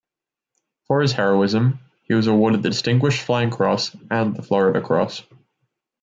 For his heroism, he was awarded the Distinguished Flying Cross and the Florida Cross.